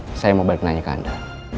saya mau balik nanya ke anda